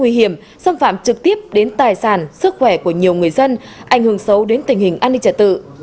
nguy hiểm xâm phạm trực tiếp đến tài sản sức khỏe của nhiều người dân ảnh hưởng xấu đến tình hình an ninh trật tự